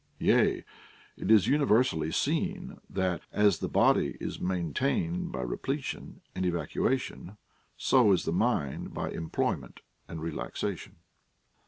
Yea, it is universally seen that, as the body is maintained by repletion and evacuation, so is the mind by employment and relaN:ation.